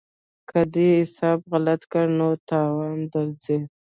که دې حساب غلط کړ نو تاوان درځي.